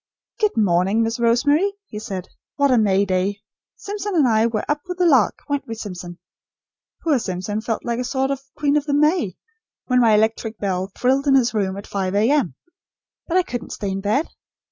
"Good day, Miss Rosemary," he said. "What a May Day! Simpson and I were up with the lark; weren't we, Simpson? Poor Simpson felt like a sort of 'Queen of the May,' when my electric bell trilled in his room, at 5 A.M. But I couldn't stay in bed.